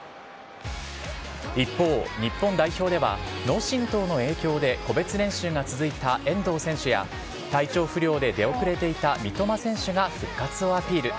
一方、日本代表では、脳震とうの影響で個別練習が続いた遠藤選手や、体調不良で出遅れていた三笘選手が復活をアピール。